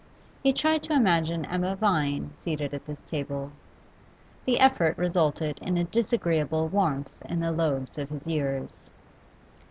He tried to imagine Emma Vine seated at this table; the effort resulted in a disagreeable warmth in the lobes of his ears.